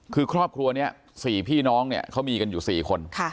คือครอบครัวนี้๔พี่น้องเนี่ยเขามีกันอยู่๔คน